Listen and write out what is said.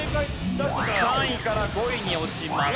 ３位から５位に落ちます。